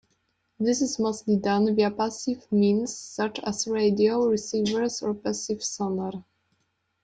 This is mostly done via passive means such as radio receivers or passive sonar.